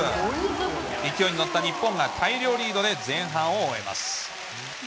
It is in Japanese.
勢いに乗った日本が大量リードで前半を終えます。